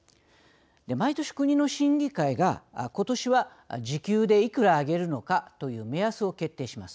毎年、国の審議会がことしは時給でいくら上げるのかという目安を決定します。